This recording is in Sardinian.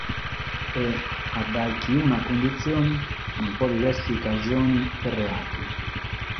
E a dae chi una cunditzione non podet èssere cajone de reatu.